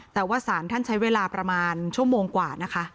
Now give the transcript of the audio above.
แต่ว่าศาลท่านใช้เวลาประมาณชั่วโมงกว่านะคะ